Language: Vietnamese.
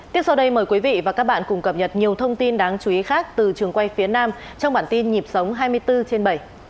tiếp sau đây mời quý vị và các bạn cùng cập nhật nhiều thông tin đáng chú ý khác từ trường quay phía nam trong bản tin nhịp sống hai mươi bốn trên bảy